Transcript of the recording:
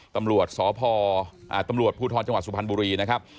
ตำรวจพูทรจังหวัดสุพรรณบุรีนะครับ